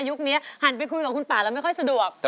ยุคนี้หันไปคุยกับคุณป่าแล้วไม่ค่อยสะดวก